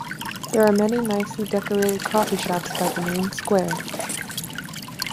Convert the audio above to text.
There are many nicely decorated coffee shops by the main square.